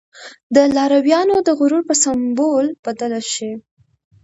د لارويانو د غرور په سمبول بدله شي.